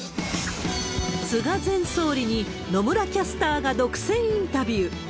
菅前総理に、野村キャスターが独占インタビュー。